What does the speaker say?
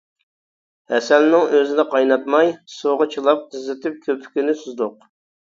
ھەسەلنىڭ ئۆزىنى قايناتماي، سۇغا چىلاپ قىزىتىپ كۆپۈكىنى سۈزدۇق.